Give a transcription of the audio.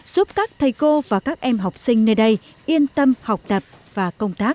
giúp các thầy cô và các em học sinh nơi đây yên tâm học tập và công tác